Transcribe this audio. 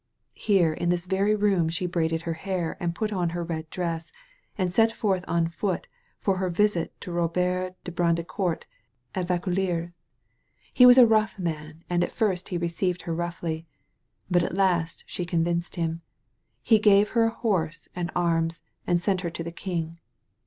Here in this very room she braided her hair and put on her red dress, and set forth on foot for her visit to Robert de Baudricourt at Vaucou 122 THE MAID OF FRANCE leurs. He was a rough man and at first he received her roughly. But at last she convinced him. He gave her a horse and arms and sent her to the king.